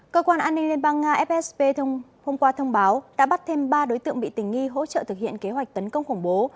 cơ quan an ninh liên bang nga fsb hôm qua thông báo đã bắt thêm ba đối tượng bị tình nghi hỗ trợ thực hiện kế hoạch tấn công khủng bố